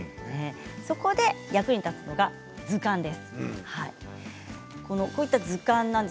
そこで役に立つのが図鑑です。